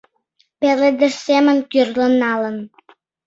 Пеледыш семын кӱрлын налын